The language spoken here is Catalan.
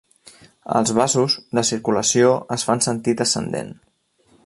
Als vasos, la circulació es fa en sentit ascendent.